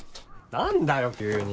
何だよ急に。